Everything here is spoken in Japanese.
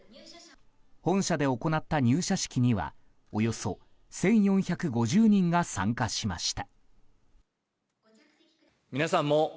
本社で行った入社式にはおよそ１４５０人が参加しました。